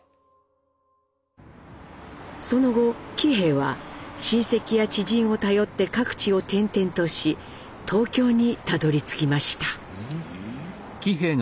その後喜兵衛は親戚や知人を頼って各地を転々とし東京にたどりつきました。